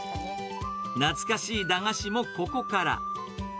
懐かしい駄菓子もここから。